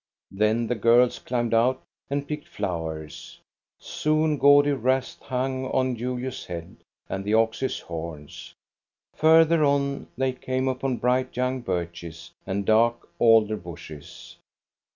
Then the girls climbed out and picked flowers. Soon gaudy wreaths hung on Julius' head and the ox's horns. Further on they came upon bright young birches and dark alder bushes.